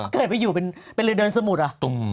เกิดไปอยู่เป็นเรือเดินสมุดอ่ะ